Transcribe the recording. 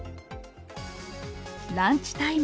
ランチタイム。